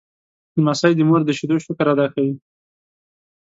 لمسی د مور د شیدو شکر ادا کوي.